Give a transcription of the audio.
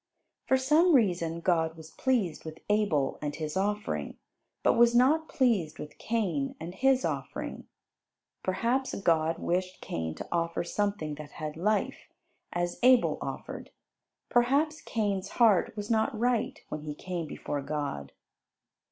For some reason God was pleased with Abel and his offering, but was not pleased with Cain and his offering. Perhaps God wished Cain to offer something that had life, as Abel offered; perhaps Cain's heart was not right when he came before God.